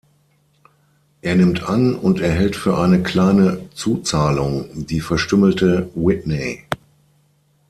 Er nimmt an und erhält für eine kleine „Zuzahlung“ die verstümmelte Whitney.